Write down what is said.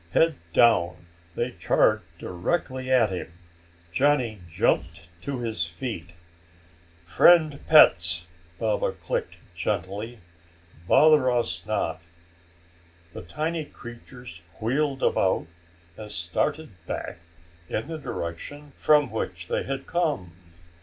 Head down, they charged directly at him. Johnny jumped to his feet. "Friend pets," Baba clicked gently, "bother us not." The tiny creatures wheeled about and started back in the direction from which they had come.